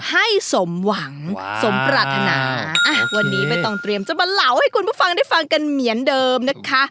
ให้สมหวังสมปรารถนาอ่ะวันนี้ใบตองเตรียมจะมาเหลาให้คุณผู้ฟังได้ฟังกันเหมือนเดิมนะคะ